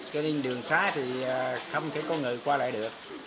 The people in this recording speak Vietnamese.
cho nên đường xá thì không thể có người qua lại được